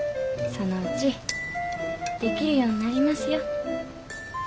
そのうちできるようんなりますよ。